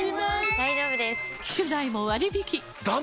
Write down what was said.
大丈夫です！